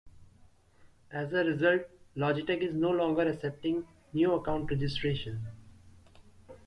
As a result, Logitech is no longer accepting new account registrations.